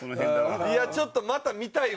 いやちょっとまた見たいわ。